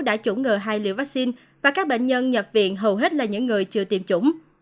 đã chủ ngờ hai liều vaccine và các bệnh nhân nhập viện hầu hết là những người chưa tiêm chủng